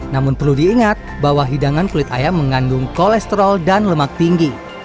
namun perlu diingat bahwa hidangan kulit ayam mengandung kolesterol dan lemak tinggi